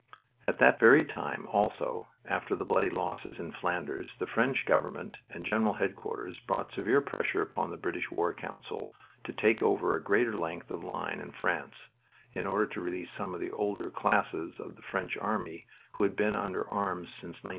At that very time, also, after the bloody losses in Flanders, the French government and General Headquarters brought severe pressure upon the British War Council to take over a greater length of line in France, in order to release some of the older classes of the French army who had been under arms since 1914.